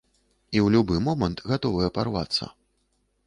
І ў любы момант гатовая парвацца.